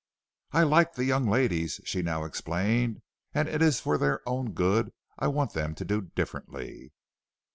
"I like the young ladies," she now explained, "and it is for their own good I want them to do differently."